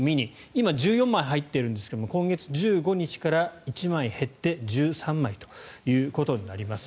今、１４枚入っているんですが今月１５日から１枚減って１３枚ということになります。